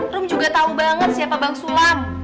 rom juga tau banget siapa bang sulam